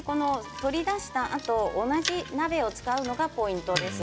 取り出したあと同じ鍋を使うのがポイントです。